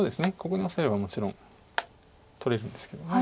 ここにオサえればもちろん取れるんですけども。